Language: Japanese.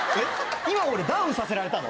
今俺ダウンさせられたの？